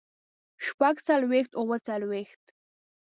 شپږ څلوېښت اووه څلوېښت